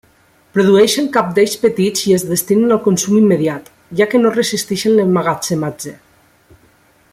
Produeixen cabdells petits i es destinen al consum immediat, ja que no resisteixen l'emmagatzematge.